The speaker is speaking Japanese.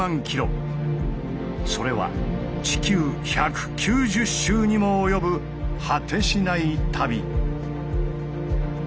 それは地球１９０周にも及ぶ果てしない旅。